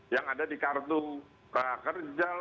yang ada di kartu prakerja